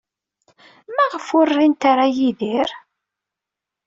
Maɣef ur rint ara Yidir?